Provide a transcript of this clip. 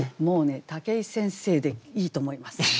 もうね武井先生でいいと思います。